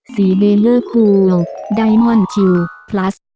เบลเลอร์คูลไดมอนด์คิวพลัส